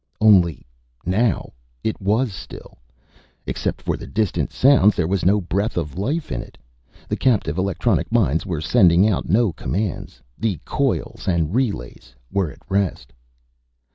Only now it was still. Except for the distant sounds, there was no breath of life in it. The captive electronic minds were sending out no commands; the coils and relays were at rest.